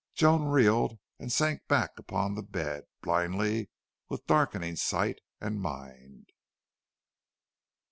Joan reeled and sank back upon the bed, blindly, with darkening sight and mind.